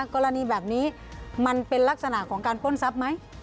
กรณีแบบนี้มันเป็นลักษณะของการปล้นทรัพย์ไหม